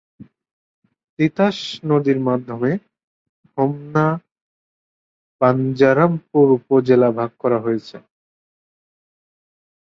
তিতাস নদীর মাধ্যমে হোমনা বাঞ্ছারামপুর উপজেলা ভাগ হয়েছে।